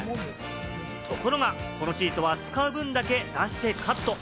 ところがこのシートは使う分だけ出してカット。